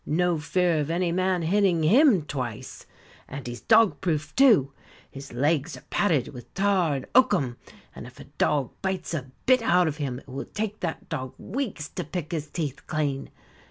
No fear of any man hitting him twice. "And he's dog proof, too. His legs are padded with tar and oakum, and if a dog bites a bit out of him, it will take that dog weeks to pick his teeth clean.